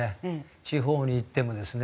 地方に行ってもですね。